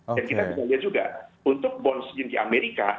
dan kita bisa lihat juga untuk bonds yang di amerika